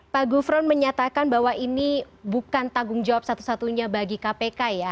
pak gufron menyatakan bahwa ini bukan tanggung jawab satu satunya bagi kpk ya